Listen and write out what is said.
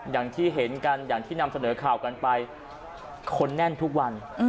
อย่างที่เห็นกันอย่างที่นำเสนอข่าวกันไปคนแน่นทุกวัน